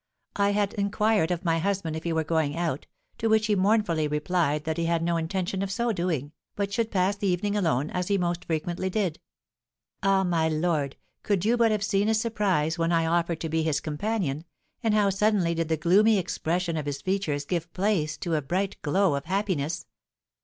I had inquired of my husband if he were going out, to which he mournfully replied that he had no intention of so doing, but should pass the evening alone, as he most frequently did. Ah, my lord, could you but have seen his surprise when I offered to be his companion, and how suddenly did the gloomy expression of his features give place to a bright glow of happiness!